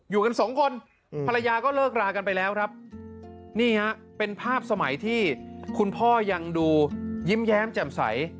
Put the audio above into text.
อยู่กันสองคนภรรยาก็เลิกรากันไปแล้วครับนี่ฮะเป็นภาพสมัยที่คุณพ่อยังดูยิ้มแย้มแจ่มใส